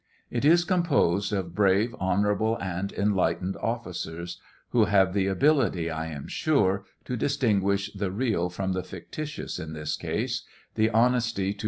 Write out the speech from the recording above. It is composed of brave, honorable, and enlightened officers, who have the ability, I am sure, to distinguish the real from the fictitious in this case, the honesty to.